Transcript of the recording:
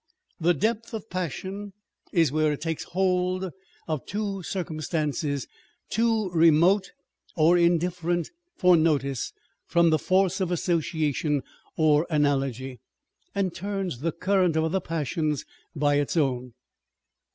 The depth of passion is where it takes hold of two cir cumstances too remote or indifferent for notice from the force of association or analogy, and turns the current of other passions by its own.